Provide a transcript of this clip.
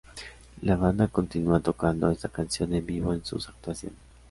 La banda continúa tocando esta canción en vivo en sus actuaciones.